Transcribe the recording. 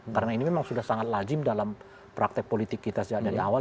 karena ini memang sudah sangat lajim dalam praktek politik kita dari awal